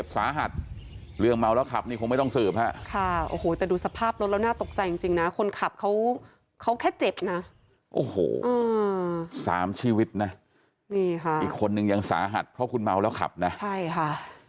สามชีวิตนะนี่ค่ะอีกคนนึงยังสาหัสเพราะคุณเมาแล้วขับนะใช่ค่ะ